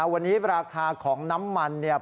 วันนี้ราคาของน้ำมันเนี่ย